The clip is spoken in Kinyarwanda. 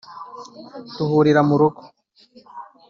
duhurira mu rugo